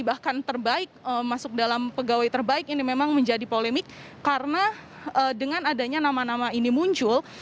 bahkan terbaik masuk dalam pegawai terbaik ini memang menjadi polemik karena dengan adanya nama nama ini muncul